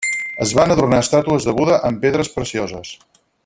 Es van adornar estàtues de Buda amb pedres precioses.